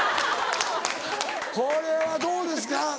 これはどうですか？